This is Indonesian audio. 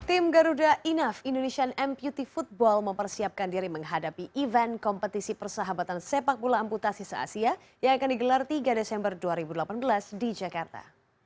tim garuda enough indonesian amputee football mempersiapkan diri menghadapi event kompetisi persahabatan sepak bola amputasi se asia yang akan digelar tiga desember dua ribu delapan belas di jakarta